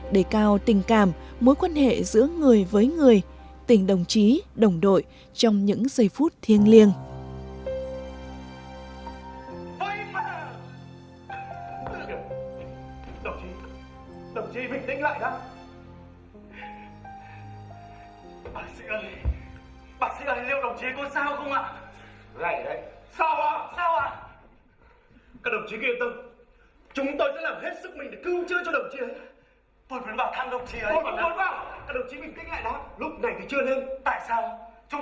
để cao tình cảm mối quan hệ giữa người với người tình đồng chí đồng đội trong những giây phút thiêng liêng